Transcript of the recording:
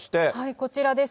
こちらです。